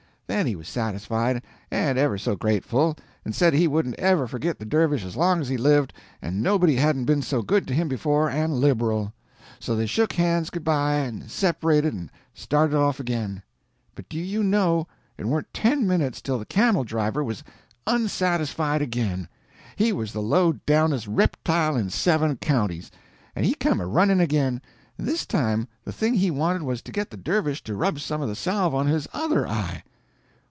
Then he was satisfied, and ever so grateful, and said he wouldn't ever forgit the dervish as long as he lived, and nobody hadn't been so good to him before, and liberal. So they shook hands good bye, and separated and started off again. But do you know, it warn't ten minutes till the camel driver was unsatisfied again—he was the lowdownest reptyle in seven counties—and he come a running again. And this time the thing he wanted was to get the dervish to rub some of the salve on his other eye.